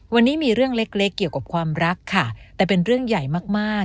วันนี้มีเรื่องเล็กเกี่ยวกับความรักค่ะแต่เป็นเรื่องใหญ่มากมาก